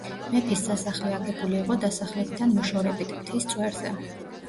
მეფის სასახლე აგებული იყო დასახლებიდან მოშორებით, მთის წვერზე.